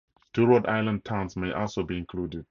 Two Rhode Island towns may also be included.